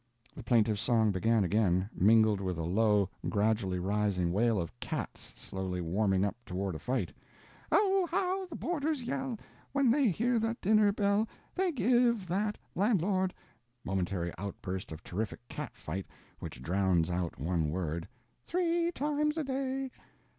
The plaintive song began again, mingled with a low, gradually rising wail of cats slowly warming up toward a fight; O, how the boarders yell, When they hear that dinner bell They give that landlord— (momentary outburst of terrific catfight which drowns out one word.) Three times a day.